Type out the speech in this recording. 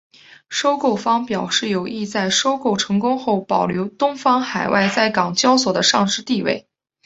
收购方表示有意在收购成功后保留东方海外在港交所的上市地位。